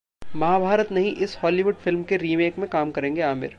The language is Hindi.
महाभारत नहीं इस हॉलीवुड फिल्म के रीमेक में काम करेंगे आमिर